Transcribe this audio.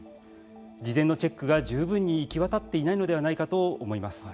事前のチェックが十分に行き渡っていないのではないかと思います。